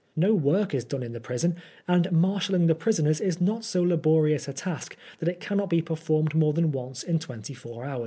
No work is done in the prison, and marshalling the prisoners is not so laborious a task that it cannot be performed more than once in twenty four hours.